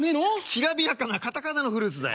きらびやかな片仮名のフルーツだよ。